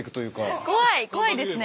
怖いですね。